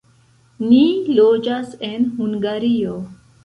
Ni loĝas en Hungario.